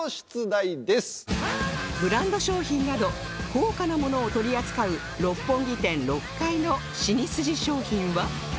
ブランド商品など高価な物を取り扱う六本木店６階のシニスジ商品は？